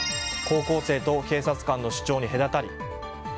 高校生と警察官の主張に隔たり。